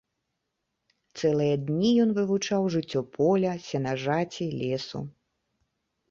Цэлыя дні ён вывучаў жыццё поля, сенажаці, лесу.